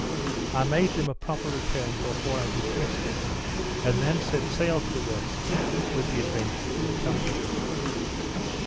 I made them a proper return before I dismissed them, and then set sail to the west, with the Adventure in company.